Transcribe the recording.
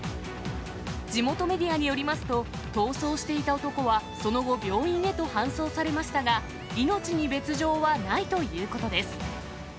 地元メディアによりますと、逃走していた男は、その後、病院へと搬送されましたが、命に別状はないということです。